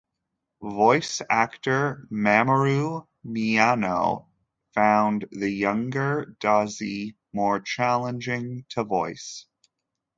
Voice actor Mamoru Miyano found the younger Dazai more challenging to voice.